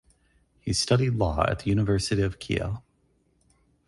He studied law at the University of Kiel.